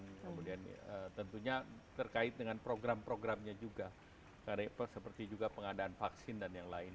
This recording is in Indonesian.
kemudian tentunya terkait dengan program programnya juga seperti juga pengadaan vaksin dan yang lain